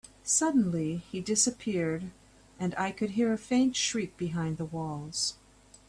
Suddenly, he disappeared, and I could hear a faint shriek behind the walls.